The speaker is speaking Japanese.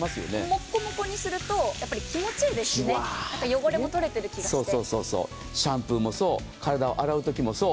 もこもこにすると気持ちいいですね、汚れも取れてる気がしてそうそう、シャンプーもそう体を浴びてるときもそう。